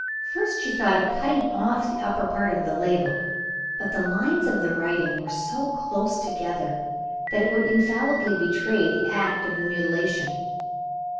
First she thought of cutting off the upper part of the label: but the lines of the writing were so close together, that they would infallibly betray the act of mutilation.